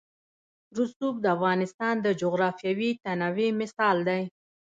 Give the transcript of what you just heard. رسوب د افغانستان د جغرافیوي تنوع مثال دی.